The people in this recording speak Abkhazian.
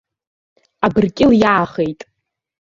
Абыркьыл иаахеит.